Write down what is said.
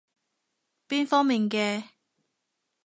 邊方面嘅？